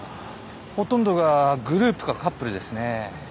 ほとんどがグループかカップルですね。